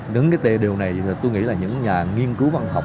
đứng cái t điều này tôi nghĩ là những nhà nghiên cứu văn học